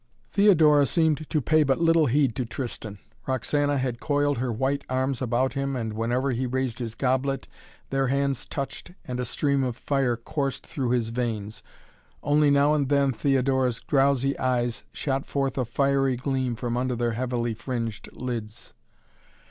Theodora seemed to pay but little heed to Tristan. Roxana had coiled her white arms about him and, whenever he raised his goblet, their hands touched and a stream of fire coursed through his veins. Only now and then Theodora's drowsy eyes shot forth a fiery gleam from under their heavily fringed lids.